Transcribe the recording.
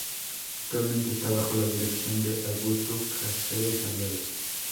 Actualmente está bajo la dirección de Augusto Cáceres Álvarez.